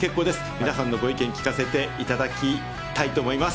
皆さんのご意見、聞かせていただきたいと思います。